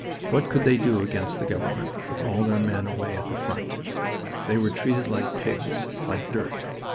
What could they do against the government, with all their men away at the front? They were treated like pigs, like dirt.